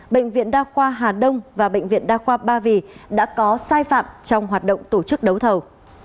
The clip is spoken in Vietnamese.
bệnh viện đa khoa hà đông và bệnh viện đa khoa ba vì đã có sai phạm trong hoạt động tổ chức đấu thầu